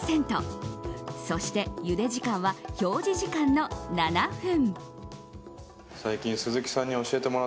そして、ゆで時間は表示時間の７分。